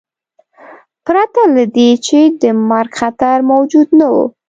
پرته له دې چې د مرګ خطر موجود نه و.